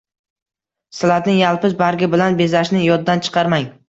Salatni yalpiz bargi bilan bezashni yoddan chiqarmang